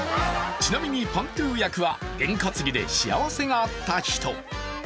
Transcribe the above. ちなみにパーントゥ役は験担ぎで幸せがあった人。